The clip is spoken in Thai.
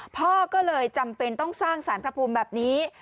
พ่อก็เลยจำเป็นต้องสร้างสารพระภูมิแบบนี้